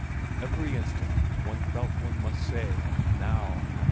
Every instant one felt one must say Now!